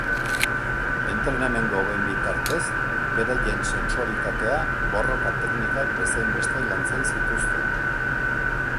Entrenamendu hauen bitartez beraien sentsualitatea borroka teknikak bezainbeste lantzen zituzten.